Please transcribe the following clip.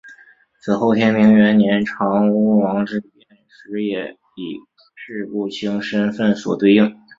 此后天平元年长屋王之变时也以式部卿身份所对应。